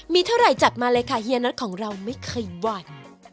มีเท่าไหร่จัดมาเลยค่ะเฮียน็อตของเราไม่เคยหวั่น